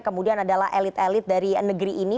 kemudian adalah elit elit dari negeri ini